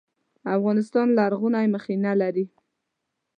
افغانستان لرغوني مخینه لري